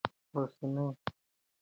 اوسني ملخان کورټ و سکوټ توپیر لري.